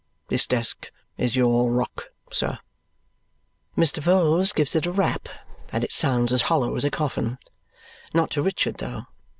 This desk is your rock, sir!" Mr. Vholes gives it a rap, and it sounds as hollow as a coffin. Not to Richard, though.